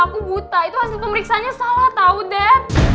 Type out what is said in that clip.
aku buta itu hasil pemeriksanya salah tau dad